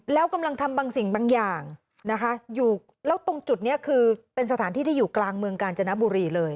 แล้วกำลังทำบางสิ่งบางอย่างนะคะอยู่แล้วตรงจุดนี้คือเป็นสถานที่ที่อยู่กลางเมืองกาญจนบุรีเลย